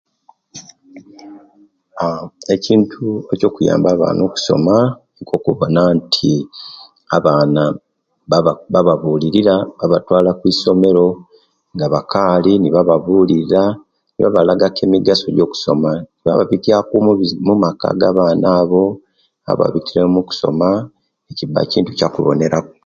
Aah Ekintu ekyokuyamba abaana okusoma nikwo okuwona nti abaana baba bababulirira babatwala kwisomero nga bakali nibababulira nibabalaga ku emigaso jokusoma nibababitiya mumaka agabaana abo ababitire ku mukusoma kibakintu kyakuboneraku